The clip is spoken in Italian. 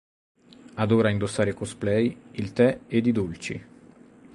Adora indossare cosplay, il te ed i dolci.